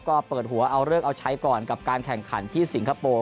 ก็เปิดหัวเอาเลิกเอาใช้ก่อนกับการแข่งขันที่สิงคโปร์